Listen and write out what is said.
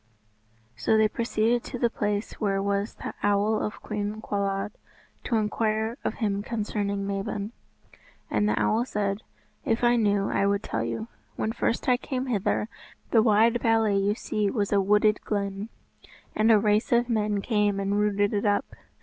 So they proceeded to the place where was the Owl of Cwm Cawlwyd, to inquire of him concerning Mabon. And the owl said, "If I knew I would tell you. When first I came hither, the wide valley you see was a wooded glen. And a race of men came and rooted it up.